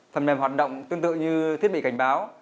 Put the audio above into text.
phần mềm hoạt động tương tự như thiết bị cảnh báo